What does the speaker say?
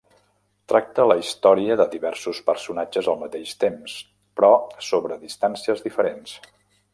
Tracta la història de diversos personatges al mateix temps, però sobre distàncies diferents.